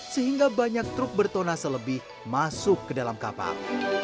sehingga banyak truk bertona selebih masuk ke dalam kapal